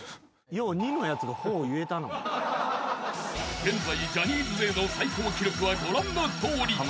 ［現在ジャニーズ勢の最高記録はご覧のとおり］